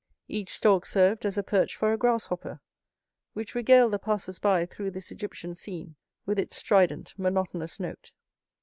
Each stalk served as a perch for a grasshopper, which regaled the passers by through this Egyptian scene with its strident, monotonous note.